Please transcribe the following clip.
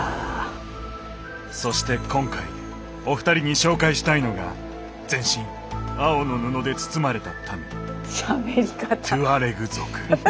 そして今回お二人に紹介したいのが全身青の布で包まれた民トゥアレグ族。